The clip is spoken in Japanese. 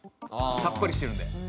さっぱりしてるんで。